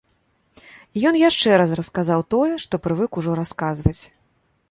І ён яшчэ раз расказаў тое, што прывык ужо расказваць.